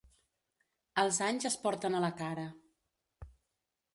Els anys es porten a la cara.